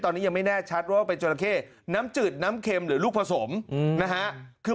ตอนนี้ไม่แน่ชัดว่าว่างน้ำจืดน้ำเค็มหรือลูกผสมคือ